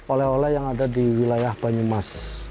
oleh oleh yang ada di wilayah banyumas